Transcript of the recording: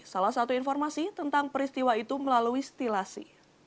salah satu informasi tentang peristiwa itu melalui stilasi